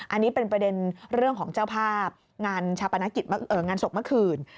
อันนี้เป็นประเด็นเรื่องของเจ้าภาพงานสกเมื่อคืน